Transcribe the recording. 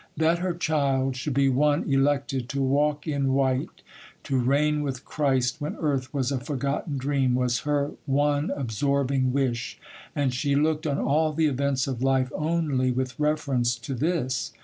That her child should be one elected to walk in white, to reign with Christ when earth was a forgotten dream, was her one absorbing wish; and she looked on all the events of life only with reference to this.